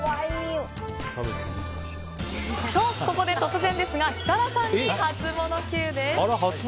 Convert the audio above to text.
と、ここで突然ですが設楽さんにハツモノＱです。